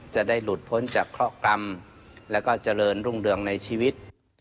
จะได้หลุดพ้นจากเคราะหกรรมแล้วก็เจริญรุ่งเรืองในชีวิต